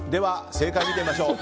正解を見てみましょう。